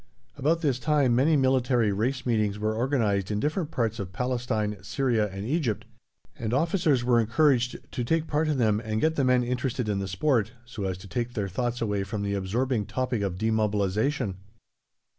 About this time many military Race Meetings were organized in different parts of Palestine, Syria, and Egypt, and officers were encouraged to take part in them and get the men interested in the sport, so as to take their thoughts away from the absorbing topic of demobilization.